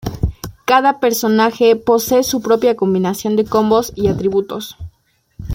Cada personaje posee su propia combinación de combos y atributos.